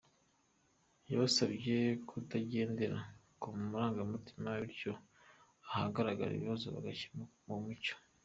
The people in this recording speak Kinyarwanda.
Yabasabye kutagendera ku marangamutima bityo ahagaragara ibibazo bigakemuka mu mucyo.